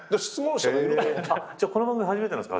この番組初めてなんですか？